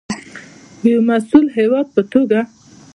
د یو مسوول هیواد په توګه.